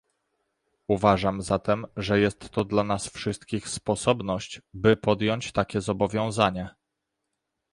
Uważam zatem, że jest to dla nas wszystkich sposobność, by podjąć takie zobowiązanie